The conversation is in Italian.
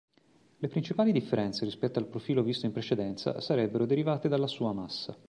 Le principali differenze rispetto al profilo visto in precedenza, sarebbero derivate dalla sua massa.